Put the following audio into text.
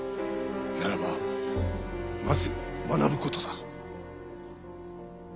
ならばまず学ぶことだ。